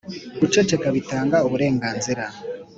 guceceka bitanga uburenganzira.